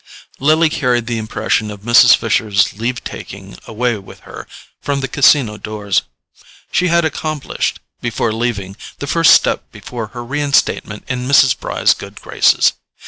Lily carried the impression of Mrs. Fisher's leave taking away with her from the Casino doors. She had accomplished, before leaving, the first step toward her reinstatement in Mrs. Bry's good graces.